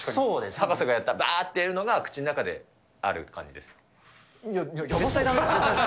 博士がやったばーってやるのが口の中にある感じです。